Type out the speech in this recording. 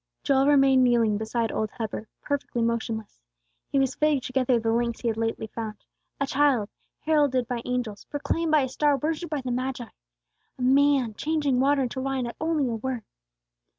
Joel remained kneeling beside old Heber, perfectly motionless. He was fitting together the links that he had lately found. A child, heralded by angels, proclaimed by a star worshipped by the Magi! A man changing water into wine at only a word!